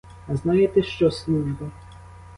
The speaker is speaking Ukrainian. А знаєте що, служба?